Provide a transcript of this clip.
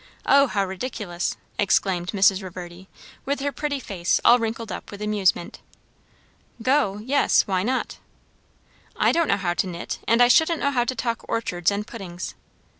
O, how ridiculous!" exclaimed Mrs. Reverdy, with her pretty face all wrinkled up with amusement. "Go? yes. Why not?" "I don't know how to knit; and I shouldn't know how to talk orchards and puddings."